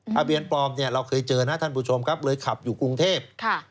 ทะเบียนปลอมเนี่ยเราเคยเจอนะท่านผู้ชมครับเลยขับอยู่กรุงเทพ